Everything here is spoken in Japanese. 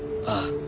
ああ。